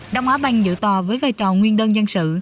đông á banh dự tò với vai trò nguyên đơn dân sự